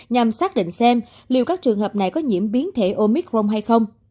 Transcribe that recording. nhằm xác định xem liệu các trường hợp này có nhiễm biến thể omicron hay không